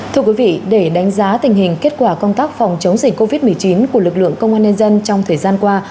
thưa quý vị để đánh giá tình hình kết quả công tác phòng chống dịch covid một mươi chín của lực lượng công an nhân dân trong thời gian qua